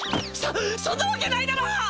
そそんなわけないだろ！